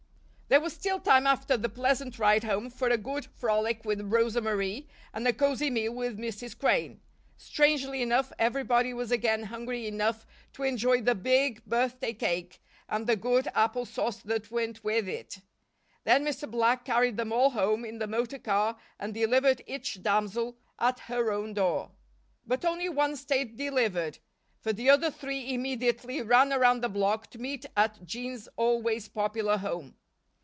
There was still time after the pleasant ride home for a good frolic with Rosa Marie and a cozy meal with Mrs. Crane; strangely enough, everybody was again hungry enough to enjoy the big birthday cake and the good apple sauce that went with it. Then Mr. Black carried them all home in the motor car and delivered each damsel at her own door. But only one stayed delivered, for the other three immediately ran around the block to meet at Jean's always popular home.